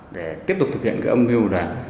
để tiếp tục thực hiện cái âm mưu